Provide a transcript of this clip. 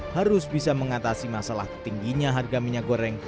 harus bisa mengatasi masalah ketingginya harga minyak goreng